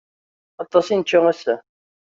Aṭas i nečča ass-a.